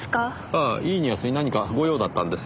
ああイーニアスに何かご用だったんですね？